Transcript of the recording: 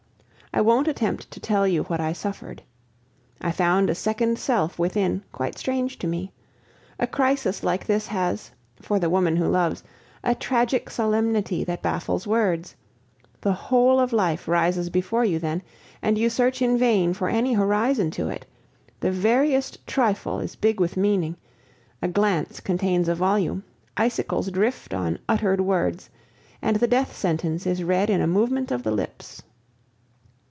I won't attempt to tell you what I suffered. I found a second self within, quite strange to me. A crisis like this has, for the woman who loves, a tragic solemnity that baffles words; the whole of life rises before you then, and you search in vain for any horizon to it; the veriest trifle is big with meaning, a glance contains a volume, icicles drift on uttered words, and the death sentence is read in a movement of the lips.